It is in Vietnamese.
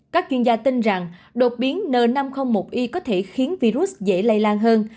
các chuyên gia tin rằng đột biến n năm trăm linh một i có thể khiến virus dễ lây lan hơn